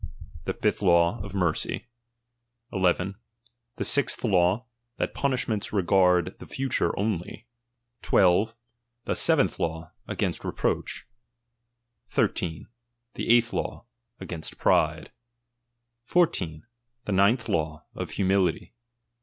The fifth law, of mercy. 11. The isth law, that punishments regard the future only. 12. The venth law, against reproach. 13. The eighth law, against 14. The ninth law, of humility.